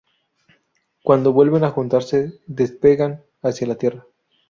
Cuando vuelven a juntarse, despegan hacia la Tierra.